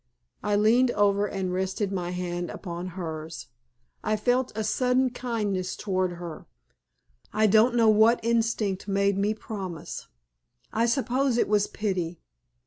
I leaned over and rested my hand upon hers. I felt a sudden kindness toward her. I don't know what instinct made me promise I suppose it was pity.